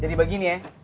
jadi begini ya